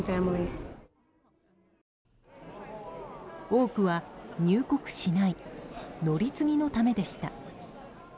多くは、入国しない乗り継ぎのためでした。